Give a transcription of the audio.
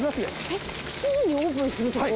えっ７時にオープンするとこ？